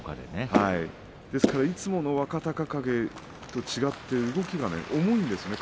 ですからいつもの若隆景と違って動きが重いんですね。